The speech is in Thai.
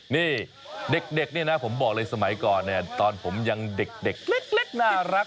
นี่เด็กนี่นะผมบอกเลยสมัยก่อนตอนผมยังเด็กน่ารัก